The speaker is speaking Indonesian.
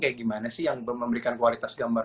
kayak gimana sih yang memberikan kualitas gambar